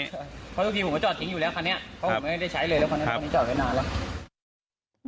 เพราะทุกทีผมก็จอดทิ้งอยู่แล้วคันนี้เพราะผมไม่ได้ใช้เลยแล้วคันนั้นคนนี้จอดไว้นานแล้ว